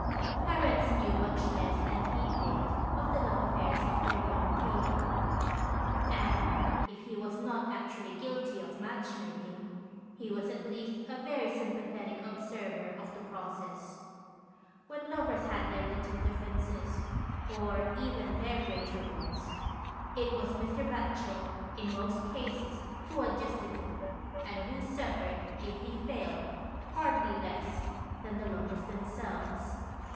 Parents knew much less than he did of the love affairs of their young people; and if he was not actually guilty of match making, he was at least a very sympathetic observer of the process. When lovers had their little differences, or even their greater ones, it was Mr. Batchel, in most cases, who adjusted them, and who suffered, if he failed, hardly less than the lovers themselves.